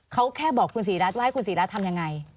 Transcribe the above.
เขาแค่บอกคุณศรีรัฐว่าให้คุณศรีรัฐทำยังไง